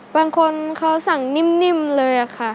บางคนเขาสั่งนิ่มเลยค่ะ